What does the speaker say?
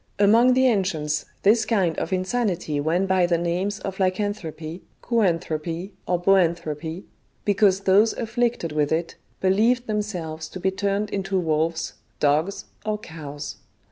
Among the ancients this kind of insanity went by the names of Lycanthropy, Kuanthropy, or Boanthropy, because those afflicted with it believed themselves to be turned into wolves, dogs, or cows.